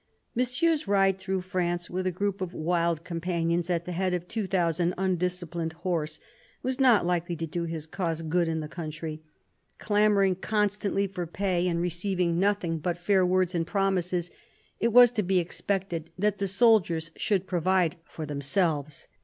Monsieur's ride through France, with a group of wild companions, at the head of two thousand undisciplined horse, was not likely to do his cause good in the country. Clamouring constantly for pay and receiving nothing but 228 CARDINAL DE RICHELIEU fair words and promises, it was to be expected that the soldiers should provide for themselves.